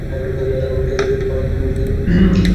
তার বাবা জাভেদ জব্বার পাকিস্তান টেলিভিশন কর্পোরেশনে কাজ করতেন।